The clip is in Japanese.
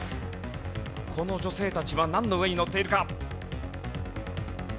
この女性たちはなんの上に乗っているか？